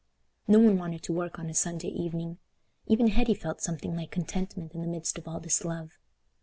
No one wanted to work on a Sunday evening. Even Hetty felt something like contentment in the midst of all this love.